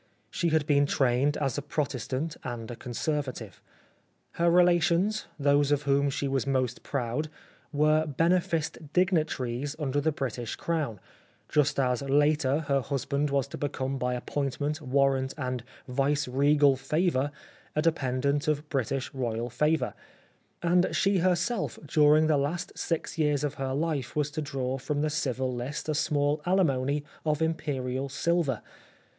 She had been trained as a Protestant and a Conservative. Her re lations, those of whom she was most proud, were beneficed dignitaries under the British Crown, just as later her husband was to become by appointment, warrant and viceregal favour, a dependent of British Royal favour, and she her self during the last six years of her life was to draw from the Civil List a small alimony of imperial silver.